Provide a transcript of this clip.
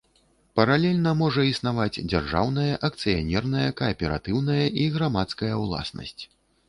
Паралельна можа існаваць дзяржаўная, акцыянерная, кааператыўная і грамадская ўласнасць.